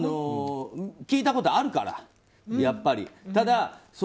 聞いたことあるから、やっぱり。